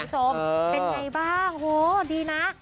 เป็นไงบ้างโหดีนะ